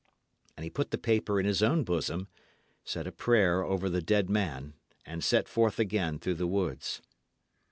And he put the paper in his own bosom, said a prayer over the dead man, and set forth again through the woods.